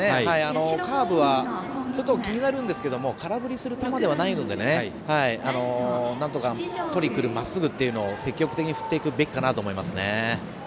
カーブは気になるんですけど空振りする球ではないのでなんとかとりにくるまっすぐというのを積極的に振っていくべきかなと思います。